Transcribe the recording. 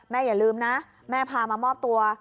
อย่าลืมนะแม่พามามอบตัว